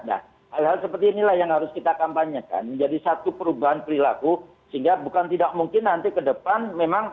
nah hal hal seperti inilah yang harus kita kampanyekan menjadi satu perubahan perilaku sehingga bukan tidak mungkin nanti ke depan memang